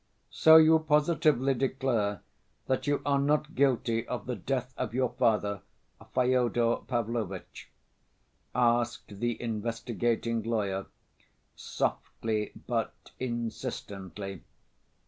"So you positively declare that you are not guilty of the death of your father, Fyodor Pavlovitch?" asked the investigating lawyer, softly but insistently.